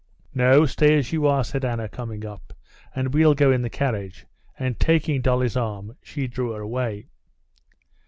"No, stay as you were," said Anna, coming up, "and we'll go in the carriage," and taking Dolly's arm, she drew her away.